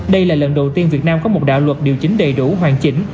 đây là lần đầu tiên việt nam có một đạo luật điều chính đầy đủ hoàn chỉnh